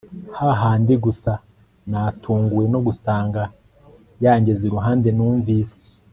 hahandi gusa natunguwe no gusanga yangeze iruhande Numvise